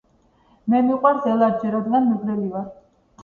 მე მიყვარს ელარჯი რადგან მეგრელი ვარ.